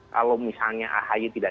kalau misalnya ahy tidak